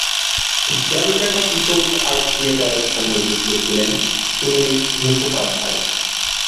Calcutta people's art থিয়েটারের সঙ্গে যুক্ত ছিলেন সুনীল মুখোপাধ্যায়।